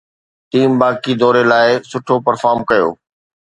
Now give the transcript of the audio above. team باقي دوري لاء سٺو پرفارم ڪيو